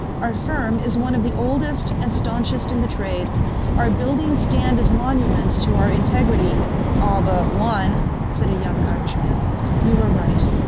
Our firm is one of the oldest and staunchest in the trade. Our buildings stand as monuments to our integrity " "All but one," said a young Irishman. "You are right.